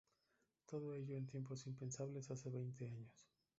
Todo ello en tiempos impensables hace veinte años.